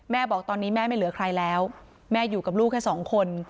บอกตอนนี้แม่ไม่เหลือใครแล้วแม่อยู่กับลูกแค่สองคน